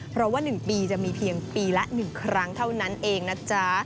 เพราะว่า๑ปีจะมีเพียงปีละ๑ครั้งเท่านั้นเองนะจ๊ะ